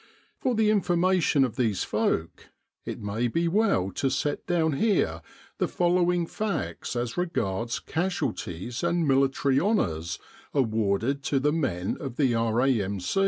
For the information of these folk, it may be well to set down here the follow ing facts as regards casualties and Military Honours awarded to the men of the R.A.M.